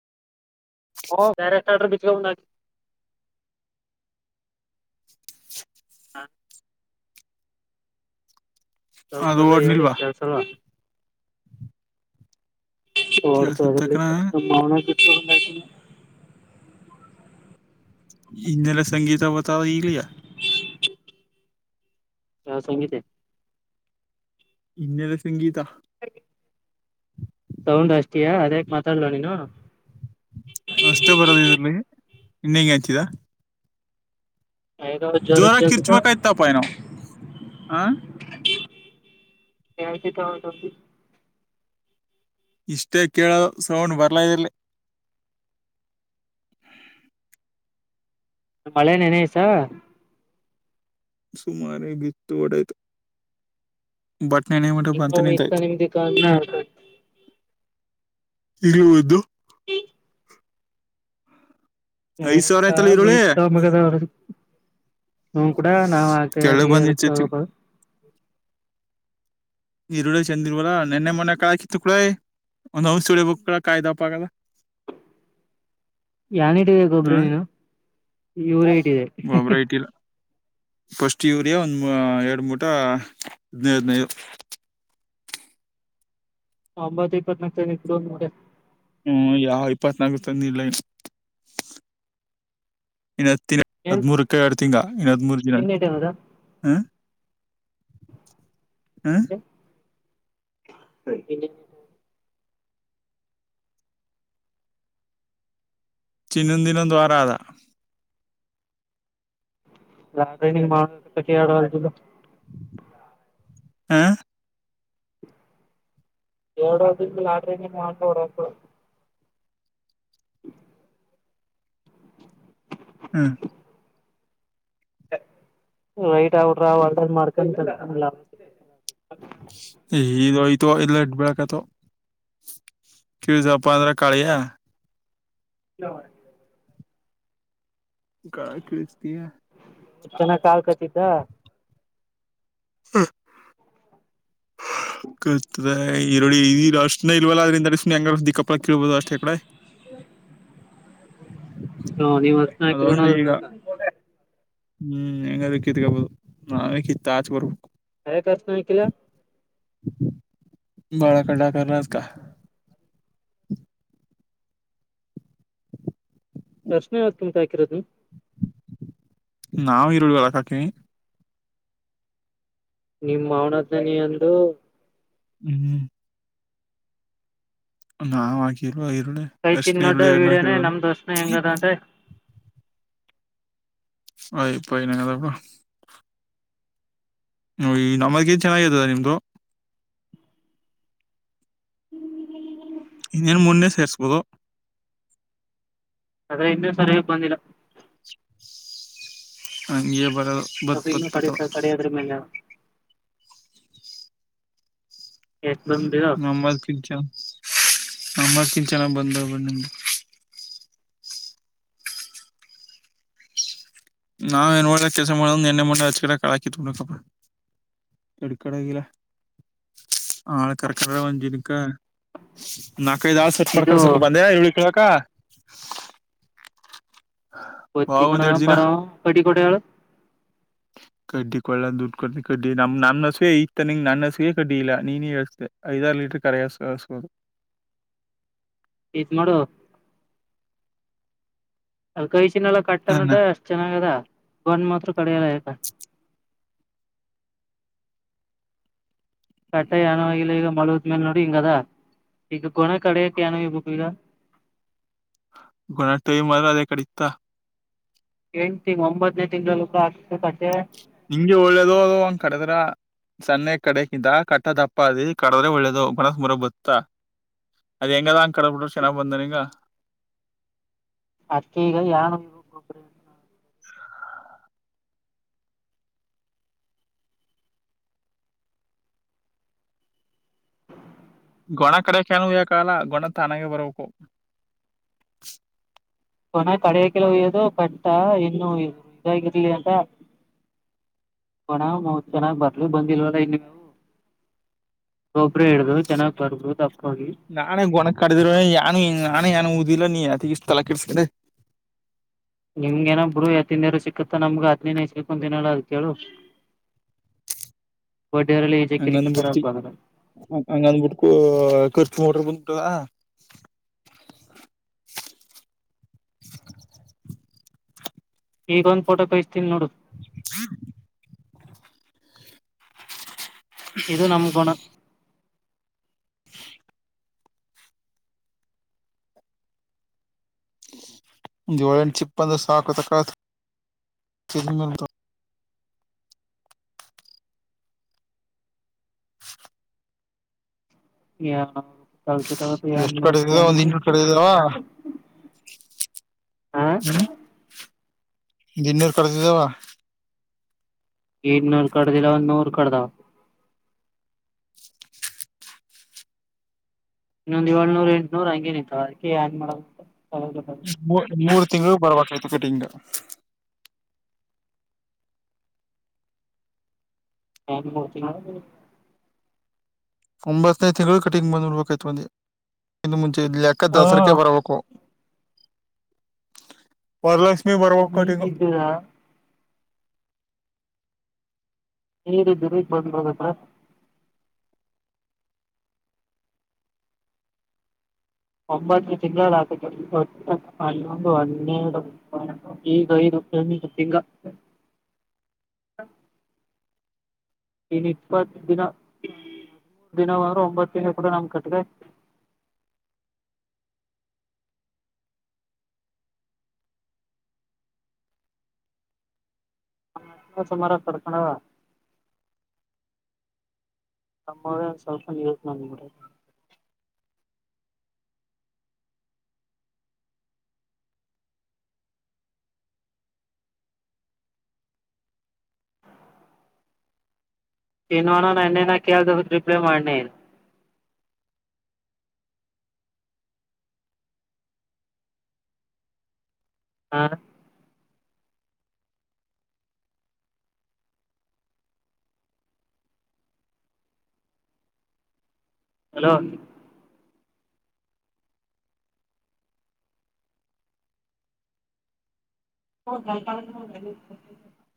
[unintelligible] ಹಾ ಅದು ಸ್ವಲ್ಪರಿ ಹೇಳಿ ಓಡ್ನಿಲ್ವಾ ಕೆಲ್ಸವಾ ಕೇಳ್ಸತ್ ಕಣ [inaudible] ಇನ್ನೆಲ್ಲ ಸಂಗೀತ ಒವ ಇಗಲಿಯಾ [unintelligible] ಇನ್ನಲ್ಲ ಸಂಗೀತಾ ಸೌಂಡ್ ಅಷ್ಟೀಯಾ ಅದ್ಯಾಕ್ ಮಾತಾಡ್ಲ ನೀನು ಅಷ್ಟೇ ಬರೋದ ಇದ್ರಲ್ಲಿ ಇನ್ ಹೆಂಗೆ ಹಾಕಿದಾ ಕಿರ್ಚ್ಬೇಕಾಯ್ತಪ್ಪ ಏನೋ ಆ [unintelligible] [unintelligible] ಇಷ್ಟೇ ಕೇಳೋ ಸೌಂಡ್ ಬರ್ಲ ಇರ್ಲ್ಲ ಮಳೆ ನೆನೆಸಾ ಸುಮಾರ ಬಿತ ಒಡೆದು ಬಟ್ಟ ನೆನವುದು ನಿಮ್ಮ ಬಂತು ಇತ್ತ ನಿಂತಹೋಯ್ತಿ ನಿಮ್ದಿಕ್ಕ ಇಲ್ಲಿ ಹದ್ದು [unintelligible] ಐದ್ ಸಾವಿರ ಆಯ್ತಲ್ಲ ಈರುಳ್ಳಿ [unintelligible] ತೆಳ್ಳಗ್ ಬಂದ್ ನಿಂತೈತಿ [unintelligible] ಈರುಳ್ಳಿ ಚಂದ ಇರ್ವಲ್ಲ ನಿನ್ನೆ ಮೊನ್ನೆ ಕಾಕಿತ್ತು ಕಡ ಒಂದ್ [unintelligible] ಕಾಯ್ದಪ ಆಗಲ್ಲ [unintelligible] ಯಾನೇಡೇ ಗೊಬ್ಬರ ಹಾ ನೀನು ಇವರೇ ಡೇ ಗೊಬ್ಬರ ಇಟ್ಟಿಲ್ಲ ಫಸ್ಟ್ ಯೂರಿಯಾ ಒಂದ ಎರಡು ಮೂಟ ಹದ್ನೈದನೈದ ಒಂಬತ್ತು ಇಪ್ಪತ್ನಾಕಡನ್ ಮೂ ಹ್ಮ್ ಯಾವ ಇಪ್ಪತ್ನಾಕು ತಂದಿಲ್ಲ ಇನ್ನು ಹತ್ತಿನ ಏನ್ ಹದ್ಮೂರಕ್ಕ ಎರಡು ತಿಂಗಳ ಇನ್ನು ಹದಮೂರ ದಿನ ಏನ್ ಇಟ್ಟಿರೋದ ಹ ಹಾ ಹ ಚಿನ್ನಂದಿನ ದ್ವಾರ ಅದ [unintelligible] ಹಾ ಎರಡದಿಂದ ಲಾಟ್ರ ಮಾಡಟ [unintelligible] ಹ್ಮ [unintelligible] [inaudible] ಈದು ಐತ ಇಲ್ಲ ಬಿಳಾಕತಾವ ಕಿವ ಜಪ್ಪ ಅಂದ್ರ ಕಾಳಿಯಾ [unintelligible] ಕಿಚತಿಿಯ ಚನ ಕಾಲ್ ಕಚಿದ್ದ ಹ್ಮ ಕತದೆ ಈರುೋಳ್ಳ ಈ ಅಶನ ಇಲ್ವಲ್ಲ ಅದ್ರಿಂದ ಸುಿ ಹೆಂಗಕ್ಕಪ್ಪ ಕಿೇಳ ಬದ ಅಷ್ಟತ ಇ ಕಡೆ ಹ ನೀವ್ ಹತ್ಣ ಅದೊಂದು ಕೋಣದೊಳ ಈಗ ಹ್ಮ್ ಹೆಂಗ್ರ ಕಿತ್ಕಬಹುದು ನಾವೇ ಕಿತ್ತ ಆಚೆ ಬರ್ಬೇಕು ಹ ಕ ಸ್ನಕ್ಕಿಲ್ಲ ಬಳ ಕಡಾಕಣ ಕ ದರ್ಶನೆ ಯಕಮಟು ಹಾಕಿರೋದು ನಾವವು ಇರುಳ್ಳ ಅ ಕಾಕಿ ನಿಮ್ಮ ಅವನ್ದನಿ ಅಂದರು ಹ್ಮ್ ನಾವ್ ಹಾಕಿಲ್ವಾ ಇರುಳ್ಳಿ ಕೈಸಿನ್ ಅರ್ಶ್ಣ ನೋಡ್ಡ ಇರುಳ್ಳ ಎಣನಕ ವಿಡಿಯೋನೇ ನಮ್ದು ಅರ್ಶನ ಹೆಂಗದ ಅಂತ ಹಯ್ಪ ಇನಂಗದಪ್ಪ ಹ ಈ ನಮಗನ್ ಚೆನ್ನಾಗತದ ನಿಮ್ದು ನ್ ಮುನ್ನೆ ಸೇರ್ರಿಸಬದ ಆದ್ರೆ ಇಿಂದೆ ಸರಿಯ ಬಂದಿಲ್ಲ ಹಗೆ ಬ ಸ್ಪ ಇನ್ನುೂ ಕಡ ಕಡದ್ರ ಮೇಲೆ ಎಷ್ಟ್ ಬಂದಿದೋ ನಂಬತ್ ಕಿಲ್ಚ ನಂಬತ್್ ಕಿಲ್ ಚಲ ಬಂದ ನಿಮ್ದು ನಾವ್ ಏನ್ ಮಾಡ ಕೆಲಸ ಮಾಡ ಎಣ್ಣೆ ಮಣೆ ಹಚ್ಚ ಕಡೆ ಕಳಾಕಿತ್ ನಕಪ್ಪ ಕೆಡುಕಡೆಾಗಿಲ್ಲ ಆಾಳ ಕರ್ಕ ಜಿನಕ್ಕೆ ನ [unintelligible] ಕೈದುಾಳ ಸೆಟ್ ಇದು ಮಾಡ್ಕೊಂಡಸಕು ಬಂದ್ಯಾ ಇಳಿ ಕೇಳಕ್ಕ ಒತ್ತಕಣ ಪರಾವ ಕಡ ಕೊೋಟ ಆಳ ಕಡ್ಡಿ ಕೊೊಳ್ಳ ದುಡ್ಡು ಕೊ ಕಡ್ಡಿ ನಮ ನನ್ನ ಹಸುವೆ ಇತ ನನ್ನ ಹಸುವೇ ಕಡ್ಡಿ ಇಲ್ಲ ನೀನು ಹೇಳ್ತೆ ಐದಾರು ಲೀಟ ಕರೆಯ ಸಸ [unintelligible] ಶೀತ ಮಾಡಡೋ [unintelligible] ಅ ಕೈಚಿನ ಎಲ್ಲ ಕಟ್ಟ ಅನ್ನ ನಡ ಅಷ್ಟ್ ಚೆನ್ನಾಗ ಅದ ಬಂದ್ ಮಾತ್ರ ಕಡೆಲ್ಲಯತ ಕಟ್ಟೆ ಯಾನವಾಗಿಲ್ಲ ಈಗ ಮಳದ್ಮೇಲೆ ನೋಡಿ ಹಿಂಗದ [unintelligible] ಈಗ ಕೊನ ಕಡೆಕ್ಕೆನು ಇ ಬುಕ್ ಈಗ [unintelligible] ಗುಣತ ಮರ ಅದ ಕಡಿತ್ತ [unintelligible] ಎಂಟು ತಿಂಗ್ ಒಂಬತ್ತನೇ ತಿಂಗಳಲ್ಲ ಕೂಡ ಆಾಕ್ಬೇಕು ಅಜೆ ನಿಮಗೆ ಒಳ್ಳೇದು ಅದು ಒಂಗ್ ಕಡದ್ರ ಸನ್ನೆ ಕಡೆಗಿಂದ ಕಟ್ಟದಪ್ಪಾದಿ ಕಡದ್ರೆ ಒಳ್ಳೆದು ಮನಸ್ ಮರುಭುತ್ತ ಅದ ಹೆಂಗದಾ ಕಡ ಬಿಿಟ್ರರು ಚೆನ್ನಾಗಿ್ ಬಂದಾರಂಗ ಅಕಗ ಯಾನು ಇವು ಕೊಡುಕನು [unintelligible] ಹ [unintelligible] [inaudible] ಗೊಣ ಕಡೆ ಕನು ಯಾಕಾಲ ಗೊಣ ತಾನಾಗ ಬರಬೇಕು ಕೊನ ಕಡೆಯಕಲ ಹಯ್ಯೋದು ಬಂಟ ಇನ್ನು್ಯ ಇದಾಗಿರ್ಲಿ ಅಂತ ಕೊಣತ್ ಚೆನ್ನಾಗ್ ಬರ್ಲಿ ಬಂದಿಲ್ವಲ್ಲ ಇನ್ನುವು ಗೊಬ್ರ ಹೇಳುದು ನಾನೇ ಗೊಣ ಕಡಿದರ ಯಾನು ನಾನೇದ ವಲನ್ ನೀ ಆಯತಿ ಇಷ್ಟ ತಲಕೀರ್ೆ ನಿಮ್ಗೇನೊಬ್ರು ಎತ್ತಿಂದಿರು ಸಿಕ್ಕತ್ತ ನಮ್ಗ ಆತ್ನಿನೇ ಸಿಕೊ ತಿನಲ್ಲ ಅದ ಕೇಳು [inaudible] ಈಜೆ ಅಂಗಂದು ಕಿರಿಕತರ ಬಿಡ್ತಿ ಬಂದ್ರ ಅಂಗಂದು ಬಿರ್ [unintelligible] ಉಟಾಗಾಗಾ [unintelligible] [inaudible] ಈಗ ಒಂದ್ ಫೋಟೋ ಕಳಿಸ್ತೀನಿ ನೋಡು. ಇದು ನಮ್ ಗುಣ. [inaudible] ಒಂದ್ ಏಳೆಂಟು ಚಿಪ್ಪಂದು ಸಾಕು ತಕ್ಕ [unintelligible] ಯ ಯಪ್ಪಾ ತಲ್ ಕೆಟ್ಟೋಗುತ್ತೆ ಯ ಎಷ್ಟ್ ಕಡ್ದಿದಾವ ಒಂದ್ [unintelligible] ಹ್ಮ [unintelligible] ಜನ್ನರ್ ಕರ್ದ್ದಾವ [unintelligible] ಇನ್ನೂರು ಕಡ್ದಿಲ್ಲ ಒಂದ್ ನೂರು ಕಡ್ದವ. ಇನ್ನೊಂದ ಏಳ್ನೂರ ಎಂಟ್ನೂರ್ ಹಂಗೆ ನಿಂತವ ಅದಕ್ಕೆ ಅಡ್ ಮಾಡ್ಬೇಕು. ಮೂರ್ ಮೂರು ತಿಂಗಳು ಬರ್ಬೇಕಯ್ತು ಫಿಟಿಂಗ್. ನ್ತ [unintelligible] ಒಂಬತ್ತನೇ ತಿಂಗಳು ಕಟಿಂಗ್ ಬಂದ್ ಬಿಡ್ಬೇಕಿತ್ ನೋಡ್ಬೇಕ್ತ್ ಮಂದಿ ಇನ್ನು ಮುಂಚೆ ಇ ಲೆಕ್ಕದ ದಸರಕ ಬರಬೇಕು. ವರಲಕ್ಷ್ಮಿ ಬರಬ ಕಟಿಂಗು. ನೀರುದುರಗ್ ಬಂದರದತ್ರ [unintelligible] ಒಂಬತ್ತು ತಿಂಗಳಕ್ಕೆ ಒಟ್ಟು ಹನ್ನೊಂದು ಹನ್ನೆರಡು ಈಗೈದು. ತ [unintelligible] ಇನ್ ಇಪ್ಪತ್ತು ದಿನ. ದಿನ ವಾರ ಒಂಬತ್ತು ದಿನ ಕೂಡ [unintelligible] [unintelligible] ಸಮಾರ ಕಡಕಣ ನಮ್ಮ ಸಲ್ಪನ್ ಯವಕ್ ನಾನಡ. [unintelligible] ರಿಪ್ಲೇ ಮಾಡ್ಣಿ. ಹಾ ಹಲೋ ಹ ಗಲ್ಪ [unintelligible]